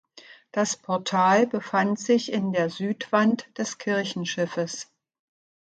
Das Portal befand sich in der Südwand des Kirchenschiffes.